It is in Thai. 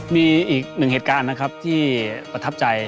มีอีกหนึ่งเหตุการณ์นะครับที่ประทับใจ